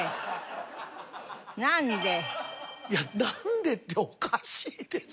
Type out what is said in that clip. いやなんでっておかしいですよ。